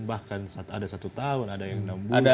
bahkan ada satu tahun ada yang enam bulan